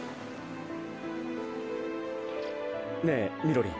ねえみろりん。